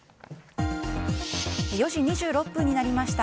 ４時２６分になりました。